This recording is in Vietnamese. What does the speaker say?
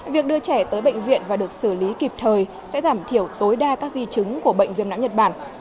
việc đưa trẻ tới bệnh viện và được xử lý kịp thời sẽ giảm thiểu tối đa các di chứng của bệnh viêm não nhật bản